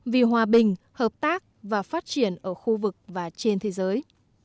vì hòa bình hợp tác và phát triển ở khu vực và trên thế giới